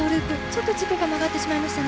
ちょっと軸が曲がってしまいました。